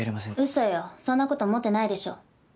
ウソよそんなこと思ってないでしょ？